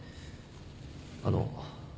あの。